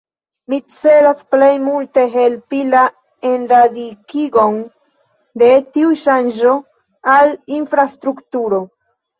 Mi celas plej multe helpi la enradikigon de tiu ŝanĝo al infrastrukturo.